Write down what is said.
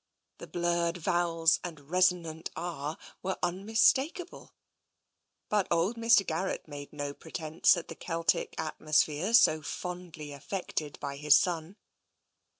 The blurred vowels and resonant r were unmistakable. But old Mr. Garrett made no pretence at the Keltic atmosphere so fondly affected by his son.